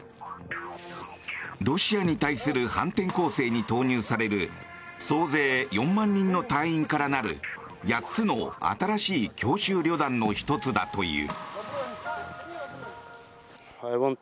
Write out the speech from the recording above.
ロシアに対する反転攻勢に投入される総勢４万人の隊員から成る８つの新しい強襲旅団の１つだという。